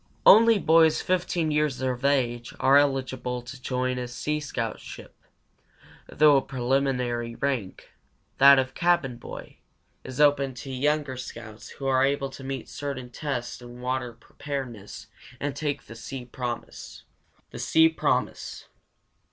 Only boys over 15 years of age are eligible to join a sea scout ship, though a preliminary rank, that of Cabin Boy, is open to younger scouts who are able to meet certain tests in "water preparedness" and take the Sea Promise. THE SEA PROMISE.